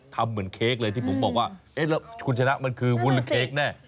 ทำเหมือนเค้กเลยที่ผมบอกว่าเอ๊ะแล้วคุณชนะมันคือวุ้นหรือเค้กแน่